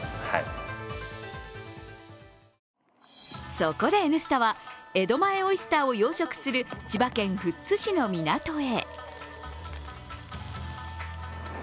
そこで「Ｎスタ」は江戸前オイスターを養殖する千葉県富津市の港へ。